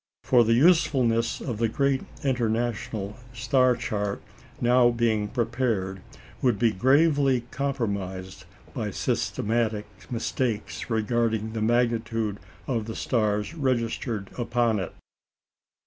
For the usefulness of the great international star chart now being prepared would be gravely compromised by systematic mistakes regarding the magnitudes of the stars registered upon it.